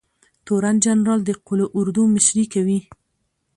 تورن جنرال د قول اردو مشري کوي